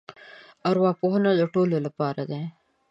ارواپوهنه د ټولو لپاره دی.